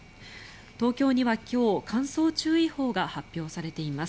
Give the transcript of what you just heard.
東京には今日乾燥注意報が発表されています。